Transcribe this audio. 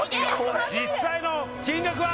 実際の金額は？